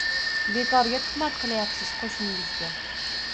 Bekorga tuhmat qilyapsiz qoʻshningizga